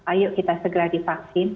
ayo kita segera divaksin